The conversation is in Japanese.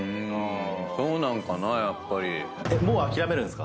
そうなんかなやっぱり。